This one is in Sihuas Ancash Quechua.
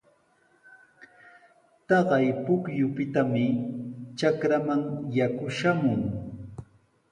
Taqay pukyupitami trakraaman yaku shamun.